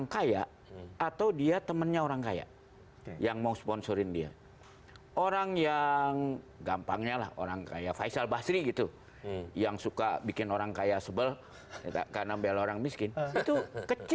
kepala kepala kepala kepala kepala kepala likes